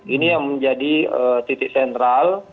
ini yang menjadi titik sentral